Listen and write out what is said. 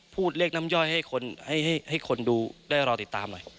พูดเลขน้ำย่อยให้คนดูได้รอติดตามหน่อย